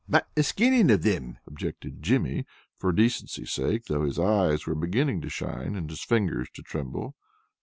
"But the skinnin' of them," objected Jimmy for decency sake, though his eyes were beginning to shine and his fingers to tremble.